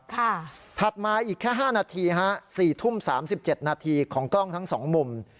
ถัดมาอีกแค่๕นาที๔ทุ่ม๓๗นาทีของกล้องทั้ง๒มุม